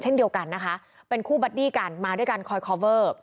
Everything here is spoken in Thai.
เช่นเดียวกันนะคะเป็นคู่บัดดี้กันมาด้วยกันคอยคอเวอร์